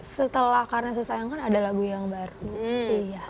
setelah karena saya sayang kan ada lagu yang baru